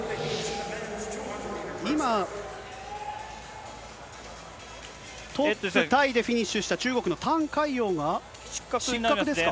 今、トップタイでフィニッシュした中国のタン海洋が失格ですか。